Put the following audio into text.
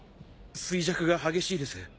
衰弱が激しいです。